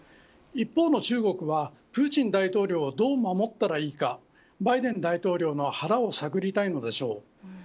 一方の中国はプーチン大統領をどう守ったらいいかバイデン大統領の腹を探りたいのでしょう。